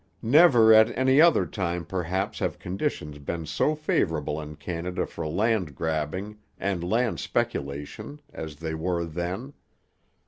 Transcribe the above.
Never at any other time perhaps have conditions been so favourable in Canada for land grabbing and land speculation as they were then.